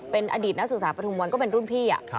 เป็นอดีตนักศึกษาปฐุมวันก็เป็นรุ่นพี่